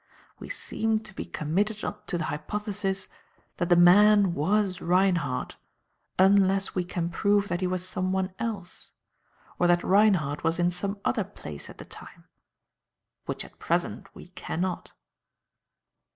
We seem to be committed to the hypothesis that the man was Reinhardt unless we can prove that he was someone else, or that Reinhardt was in some other place at the time; which at present we cannot."